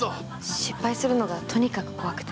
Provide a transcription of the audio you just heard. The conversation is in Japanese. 失敗するのがとにかく怖くて。